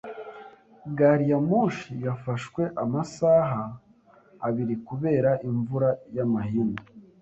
Gari ya moshi yafashwe amasaha abiri kubera imvura y'amahindu.